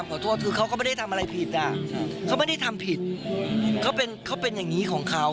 เขาไม่ได้ทำผิดเขาเป็นอย่างนี้ของเขา